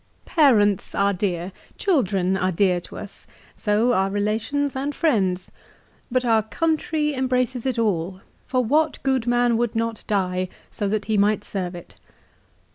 " Parents are dear, children are dear to us ; so are relations and friends ; but our country embraces it all, for what good man would not die so that he might serve it